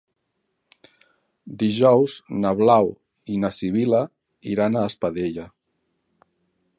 Dijous na Blau i na Sibil·la iran a Espadella.